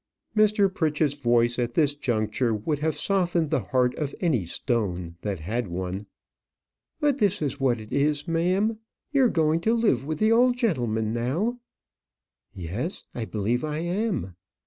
Mr. Pritchett's voice at this juncture would have softened the heart of any stone that had one. "But this is what it is, ma'am; you're going to live with the old gentleman now." "Yes, I believe I am."